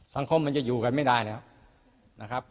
สังคมมันจะอยู่กันไม่ได้นะครับ